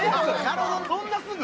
そんなすぐ？